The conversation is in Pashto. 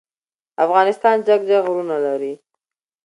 افغانستان جګ جګ غرونه لری.